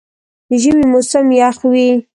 د ژمي موسم یخ وي.